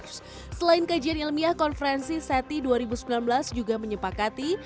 selain kajian ilmiah konferensi seti dua ribu sembilan belas juga menyepakati